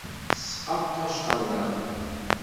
Tesqaqec ɣer daxel.